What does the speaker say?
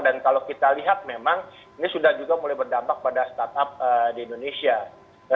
dan kalau kita lihat memang ini sudah juga mulai berdampak pada startup di indonesia